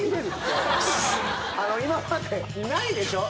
今までないでしょ。